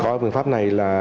khói phương pháp này là